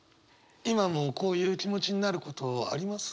今もこういう気持ちになることあります？